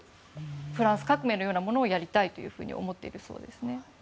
フランス革命のようなことをやりたいと思っているようですね。